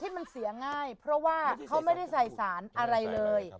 มันเสียง่ายเพราะว่าเขาไม่ได้ใส่สารอะไรเลย